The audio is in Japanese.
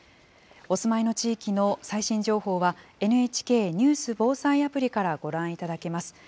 お住まいの地域の最新情報は、ＮＨＫニュース・防災アプリからご覧いただけます。